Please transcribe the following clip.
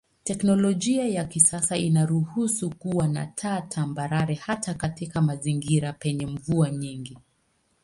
Teknolojia ya kisasa inaruhusu kuwa na taa tambarare hata katika mazingira penye mvua nyingi.